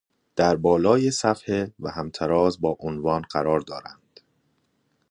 در بالای صفحه و همتراز با عنوان قرار دارند